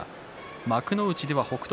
幕内では北勝